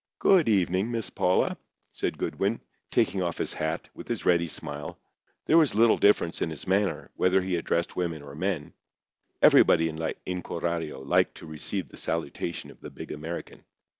"Good evening, Miss Paula," said Goodwin, taking off his hat, with his ready smile. There was little difference in his manner whether he addressed women or men. Everybody in Coralio liked to receive the salutation of the big American.